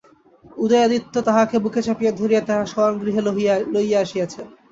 উদয়াদিত্য তাহাকে বুকে চাপিয়া ধরিয়া তাঁহার শয়নগৃহে লইয়া আসিয়াছেন।